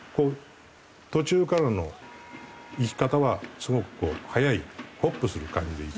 途中からのいき方はすごく速いホップする感じ。